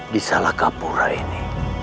di salakapura ini